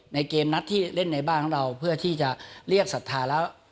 เกมนัดที่เล่นในบ้านของเราเพื่อที่จะเรียกศรัทธาแล้ว